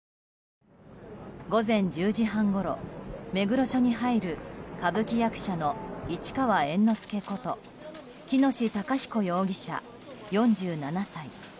午前１０時半ごろ目黒署に入る歌舞伎役者の市川猿之助こと喜熨斗孝彦容疑者、４７歳。